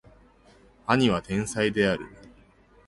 兄は天才である